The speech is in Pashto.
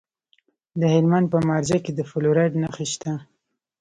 د هلمند په مارجه کې د فلورایټ نښې شته.